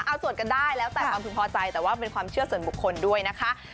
เอาสวดกันได้แล้วแต่ความพึงพอใจแต่ว่าเป็นความเชื่อส่วนบุคคลด้วยนะคะ